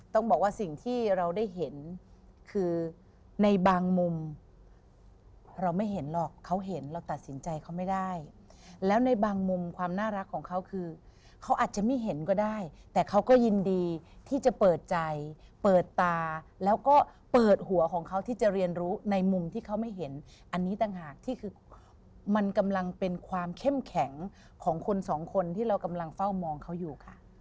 ต้องบอกว่าสิ่งที่เราได้เห็นคือในบางมุมเราไม่เห็นหรอกเขาเห็นเราตัดสินใจเขาไม่ได้แล้วในบางมุมความน่ารักของเขาคือเขาอาจจะไม่เห็นก็ได้แต่เขาก็ยินดีที่จะเปิดใจเปิดตาแล้วก็เปิดหัวของเขาที่จะเรียนรู้ในมุมที่เขาไม่เห็นอันนี้ต่างหากที่คือมันกำลังเป็นความเข้มแข็งของคนสองคนที่เรากำลังเฝ้ามองเขาอยู่ค่ะ